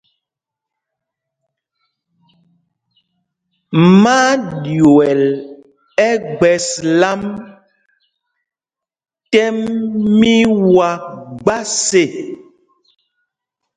Má á ɗyuɛl ɛgbɛ̄s lām tɛ́m mí wa gbas ê.